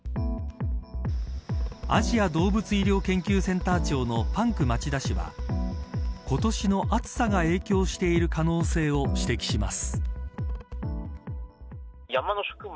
アジア動物医療研究センター長のパンク町田氏は今年の暑さが影響している可能性を指摘します。